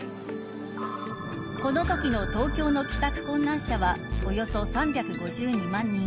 このときの東京の帰宅困難者はおよそ３５２万人。